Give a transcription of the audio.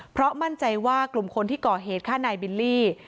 เพราะมั่นใจว่ากลุ่มคนที่ก่อเหตุฆ่านายบิลลี่